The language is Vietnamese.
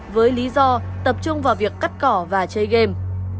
với lý do tập trung vào việc cắt cỏ và chơi game